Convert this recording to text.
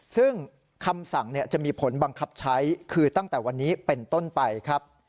ซึ่งคำสั่งจะมีผลบังคับใช้คือตั้งแต่วันนี้เป็นต้นไปครับ